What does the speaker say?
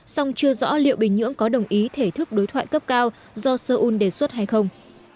song chưa rõ liệu bình nhưỡng có đồng ý thể thức đối thoại cấp cao do seoul đề xuất hay không